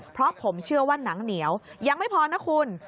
เพราะผมเชื่อว่าหนังเหนียวยังไม่พอนะคุณ